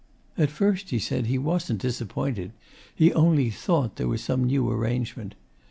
At first, he said, he wasn't disappointed he only thought there was some new arrangement.